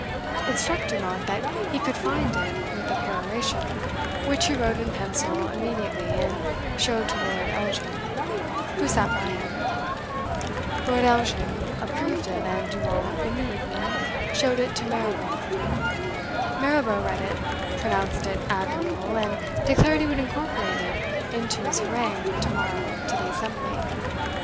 It struck Dumont that he could fit it with a peroration, which he wrote in pencil immediately, and showed to Lord Elgin, who sat by him. Lord Elgin approved it, and Dumont, in the evening, showed it to Mirabeau. Mirabeau read it, pronounced it admirable, and declared he would incorporate it into his harangue, to morrow, to the Assembly.